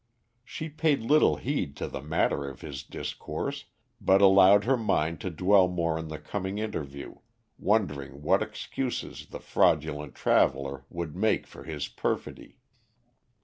She paid little heed to the matter of his discourse, but allowed her mind to dwell more on the coming interview, wondering what excuses the fraudulent traveller would make for his perfidy.